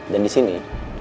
dan di sini